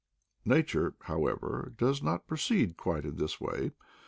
Nature, however, does not proceed quite in this way.